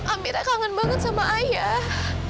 amira kangen banget sama ayah